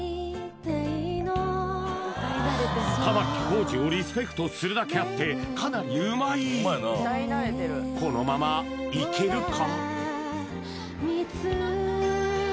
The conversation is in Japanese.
玉置浩二をリスペクトするだけあってかなりうまいこのままいけるか？